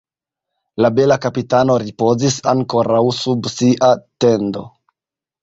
La bela kapitano ripozis ankoraŭ sub sia tendo.